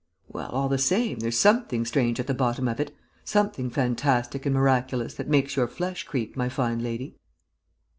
"Well, all the same, there's something strange at the bottom of it, something fantastic and miraculous that makes your flesh creep, my fine lady."